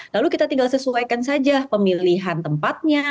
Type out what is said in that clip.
lalu kita tinggal sesuaikan saja pemilihan tempatnya